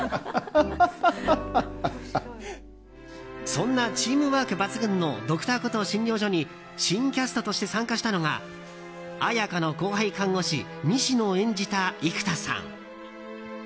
そんなチームワーク抜群の「Ｄｒ．コトー診療所」に新キャストとして参加したのが彩佳の後輩看護師西野を演じた生田さん。